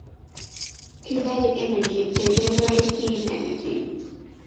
Kinetic energy can generate heat energy.